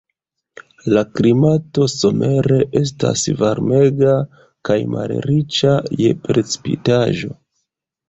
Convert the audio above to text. La klimato somere estas varmega kaj malriĉa je precipitaĵo.